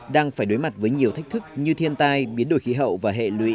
đang phải đối mặt với nhiều thách thức như thiên tai biến đổi khí hậu và hệ lụy